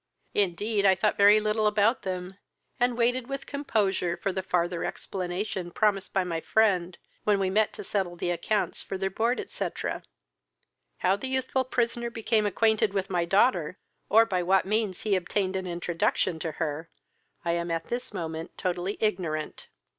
Indeed I thought very little about them, and waited with composure for the farther explanation promised by my friend, when we met to settle the accounts for their board, &c. How the youthful prisoner became acquainted with my daughter, or by what means he obtained an introduction to her, I am to this moment totally ignorant."